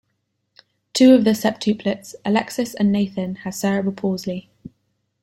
Two of the septuplets, Alexis and Nathan, have cerebral palsy.